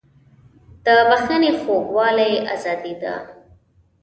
د بښنې خوږوالی ازادي ده.